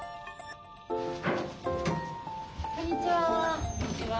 こんにちは。